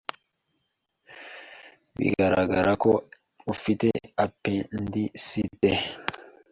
Bigaragara ko ufite appendicite.